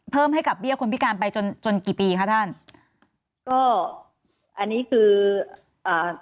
เพิ่มให้กับเบี้ยคนพิการไปจนจนกี่ปีคะท่านก็อันนี้คืออ่า